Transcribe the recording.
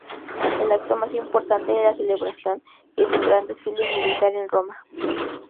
El acto más importante de la celebración es un gran desfile militar en Roma.